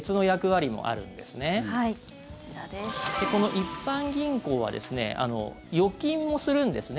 一般銀行は預金もするんですね。